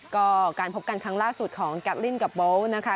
ก็การพบกันครั้งล่าสุดของกัสลินกับโบ๊ทนะคะ